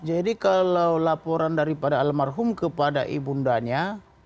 jadi kalau laporan daripada almarhum kepada ibundanya